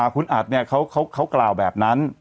คุณอัฐเนี่ยเค้ากล่าวแบบนั้น